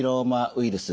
ウイルス？